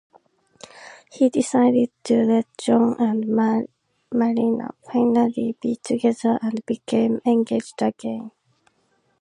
He decided to let John and Marlena finally be together and became engaged again.